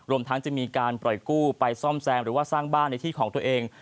รวมทั้งจะมีการปล่อยกู้ไปซ่อมแซมหรือว่าสร้างบ้านในที่ของตัวเอง